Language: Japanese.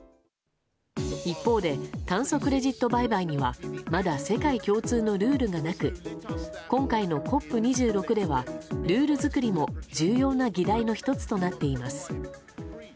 一方で、炭素クレジット売買にはまだ世界共通のルールがなく今回のＣＯＰ２６ではルール作りも重要な議題の１つとなっています。